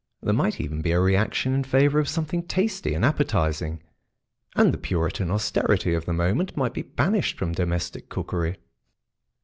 There might even be a reaction in favour of something tasty and appetising, and the Puritan austerity of the moment might be banished from domestic cookery.